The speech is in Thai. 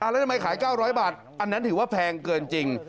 แล้วทำไมขาย๙๐๐บาทอันนั้นถือว่าแพงเกินจริง